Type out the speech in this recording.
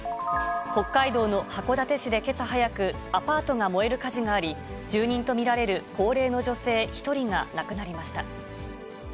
北海道の函館市でけさ早く、アパートが燃える火事があり、住人と見られる高齢の女性１人が亡くなりました。